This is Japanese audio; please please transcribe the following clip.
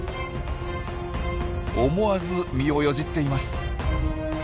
思わず身をよじっています。